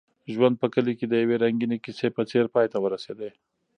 ژوند په کلي کې د یوې رنګینې کیسې په څېر پای ته ورسېد.